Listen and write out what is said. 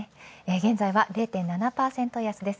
現在は０．７％安です。